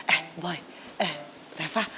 eh boy eh repa